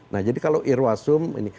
nah jadi kalau irwasum ini